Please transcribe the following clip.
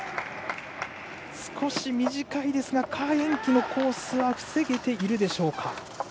少し短いですが何宛淇のコースは塞げているでしょうか。